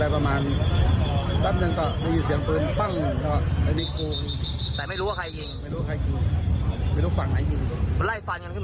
ล่าสุดตำรวจไล่เช็ควงจรปิด